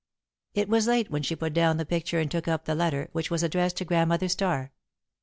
It was late when she put down the picture and took up the letter, which was addressed to Grandmother Starr.